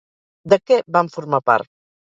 De què van formar part?